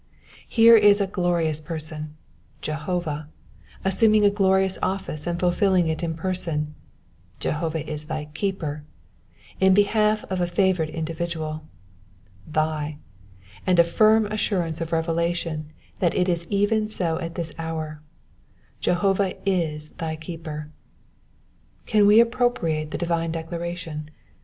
Here is a glorious person— Jehova\ assuming a gracious office and fulfilling it in person, — Jehovah is thy keeper^ in behalf of a favoured individual — thy^ and a firm assurance of revelation that it is even so at this hour — Jehovah is thy keeper. Can we appropriate the divine declaration?